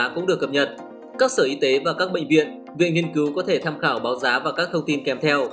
các sở y tế và các bệnh viện viện nghiên cứu có thể tham khảo báo giá và các thông tin kèm theo